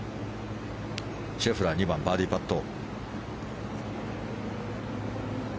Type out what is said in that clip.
シェフラー、２番バーディーパット。